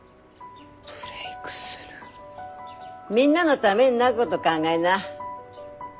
みんなのためになっこど考えな。